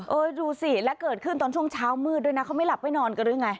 ดูสิแล้วเกิดขึ้นตอนช่วงเช้ามืดด้วยนะเขาไม่หลับไม่นอนกันด้วยไง